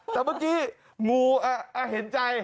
แต่เมื่อกี้งูเห็นใจ